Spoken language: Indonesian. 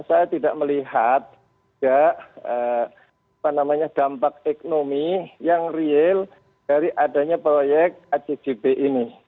saya tidak melihat dampak ekonomi yang real dari adanya proyek acgb ini